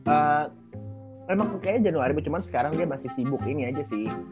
eee emang kayaknya januari bu cuman sekarang dia masih sibuk ini aja sih